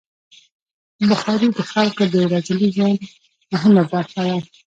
بخاري د خلکو د ورځني ژوند مهمه برخه ده.